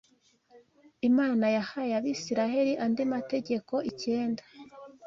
Imana yahaye Abisirayeli andi mategeko icyenda